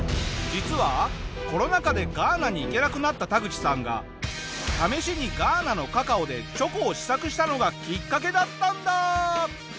実はコロナ禍でガーナに行けなくなったタグチさんが試しにガーナのカカオでチョコを試作したのがきっかけだったんだ！